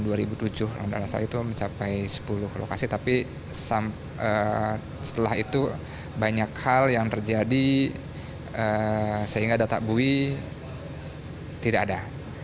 anda rasa itu mencapai sepuluh lokasi tapi setelah itu banyak hal yang terjadi sehingga data bui tidak ada